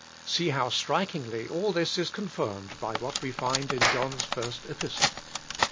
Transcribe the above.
See how strikingly all this is confirmed by what we find in John's first epistle.